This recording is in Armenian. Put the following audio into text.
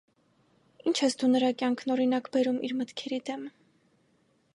ինչ ես դու նրա կյանքն օրինակ բերում իր մտքերի դեմ: